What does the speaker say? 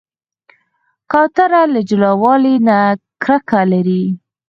کوتره له جلاوالي نه کرکه لري.